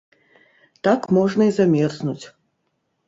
Так можна і замерзнуць.